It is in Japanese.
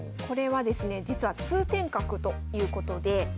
これはですね実は通天閣ということで。